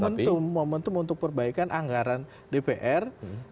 momentum momentum untuk perbaikan anggaran dpr